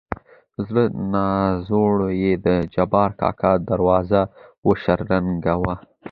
زړه نازړه يې د جبار کاکا دروازه وشرنګه وه.